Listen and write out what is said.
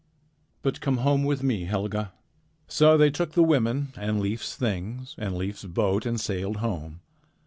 But come home with me, Helga." So they took the women and Leif's things and Leif's boat and sailed home.